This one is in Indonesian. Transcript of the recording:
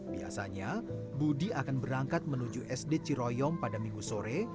biasanya budi akan berangkat menuju sd ciroyom pada minggu sore